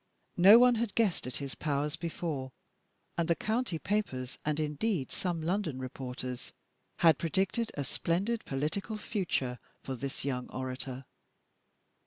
No one had guessed at his powers before, and the county papers, and indeed some London reporters, had predicted a splendid political future for this young orator.